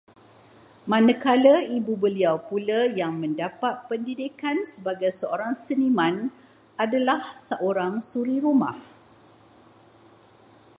Manakala ibu beliau pula yang mendapat pendidikan sebagai seorang seniman, adalah seorang suri rumah